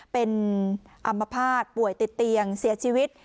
เป็นอัมพาตป่วยติดเตียงเสียชีวิต